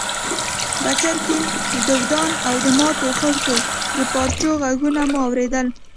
بڅرکي، دودان او د ماتو خښتو د پارچو ږغونه مو اورېدل.